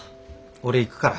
俺行くから。